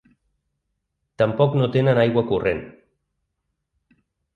Tampoc no tenen aigua corrent.